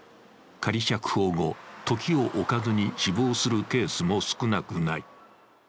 仮釈放後、時を置かずに死亡するケースも少なくない。